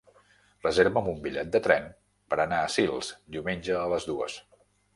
Reserva'm un bitllet de tren per anar a Sils diumenge a les dues.